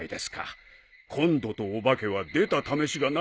今度とお化けは出たためしがないって。